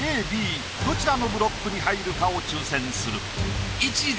どちらのブロックに入るかを抽選する。